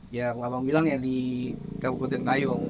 yang pak bukudi bilang ya di kabupaten kayong